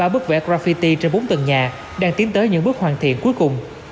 ba bức vẽ graffity trên bốn tầng nhà đang tiến tới những bước hoàn thiện cuối cùng